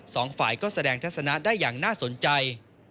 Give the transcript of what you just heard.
สองฝ่ายก็แสดงทัศนะได้อย่างน่าสนใจ